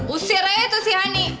usirnya itu sih hani